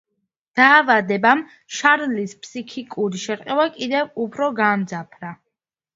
დაავადებამ შარლის ფსიქიკური შერყევა კიდევ უფრო გაამძაფრა.